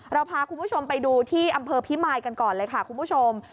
เราพาคุณผู้ชมไปดูที่อำเภอพิมายกันก่อนเลยค่ะคุณผู้ชม